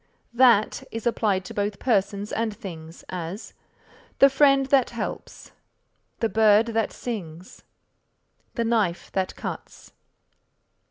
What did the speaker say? That is applied to both persons and things; as, "The friend that helps." "The bird that sings." "The knife that cuts."